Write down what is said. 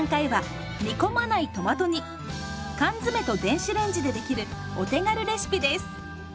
缶詰と電子レンジで出来るお手軽レシピです。